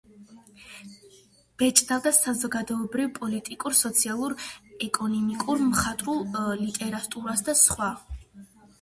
ბეჭდავდა საზოგადოებრივ-პოლიტიკურ, სოციალურ-ეკონომიკურ, მხატვრულ ლიტერატურას და სხვა.